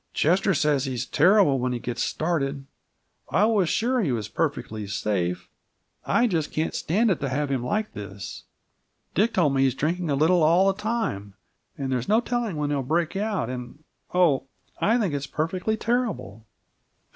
"Chester says he's terrible when he gets started. I was sure he was perfectly safe! I just can't stand it to have him like this. Dick told me he's drinking a little all the time, and there's no telling when he'll break out, and Oh, I think it's perfectly terrible!"